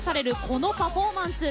このパフォーマンス。